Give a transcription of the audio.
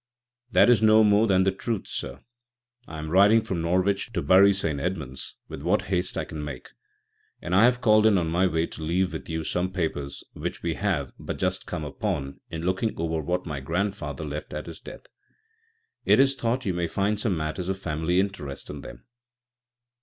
"That is no more than the truth, sir. I am riding from Norwich to Bury St. Edmunds with what haste I can make, and I have called in on my way to leave with you some papers which we have but just come upon in looking over what my grandfather left at his death. It is thought you may find some matters of family interest in them."